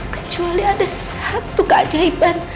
kecuali ada satu keajaiban